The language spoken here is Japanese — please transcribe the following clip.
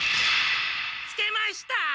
つけました！